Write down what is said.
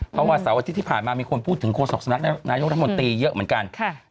เพราะว่าเสาร์อาทิตย์ที่ผ่านมามีคนพูดถึงโฆษกสำนักนายกรัฐมนตรีเยอะเหมือนกัน